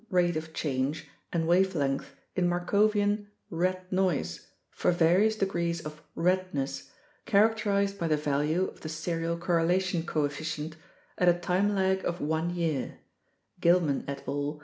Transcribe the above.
rate of change and wavelength in Markovian "red noise," for various degrees of "redness" characterized by the value of the serial correla tion coefficient at a time lag of one year (Gilman et al.